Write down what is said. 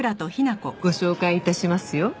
ご紹介致しますよ。